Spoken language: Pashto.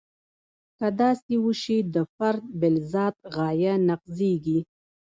که داسې وشي د فرد بالذات غایه نقضیږي.